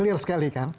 clear sekali kan